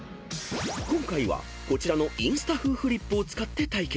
［今回はこちらのインスタ風フリップを使って対決］